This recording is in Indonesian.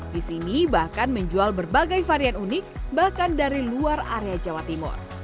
di sini bahkan menjual berbagai varian unik bahkan dari luar area jawa timur